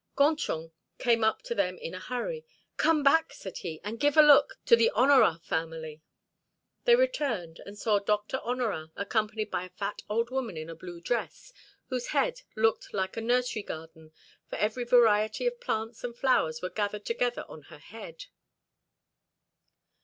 Gontran came up to them in a hurry. "Come back," said he, "and give a look at the Honorat family." They returned, and saw Doctor Honorat, accompanied by a fat, old woman in a blue dress, whose head looked like a nursery garden, for every variety of plants and flowers were gathered together on her head.